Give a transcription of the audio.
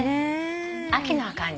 秋な感じ。